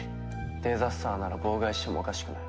デザスターなら妨害してもおかしくない。